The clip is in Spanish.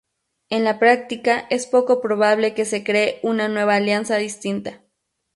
En la práctica es poco probable que se cree una nueva alianza distinta.